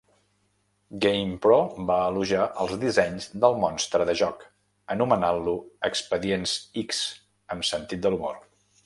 "GamePro" va elogiar els dissenys del monstre del joc, anomenant-lo "Expedients-X" amb sentit de l'humor.